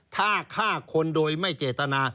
ถ้าฆ่าคนโดยไม่เจตนา